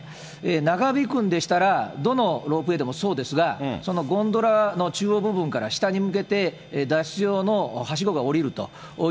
長引くんでしたら、どのロープウェイでもそうですが、ゴンドラの中央部分から下に向けて、脱出用のはしごがおりると。